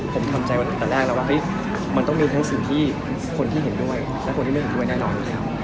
ผมทำใจไว้ตั้งแต่แรกแล้วว่ามันต้องมีทั้งสิ่งที่คนที่เห็นด้วยและคนที่ไม่เห็นด้วยแน่นอนอยู่แล้ว